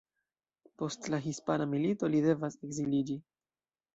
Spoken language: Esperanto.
Post la hispana milito, li devas ekziliĝi.